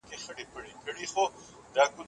شاعر خپله تجربه په تصوير کي ښيي